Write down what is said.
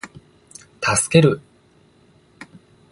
助ける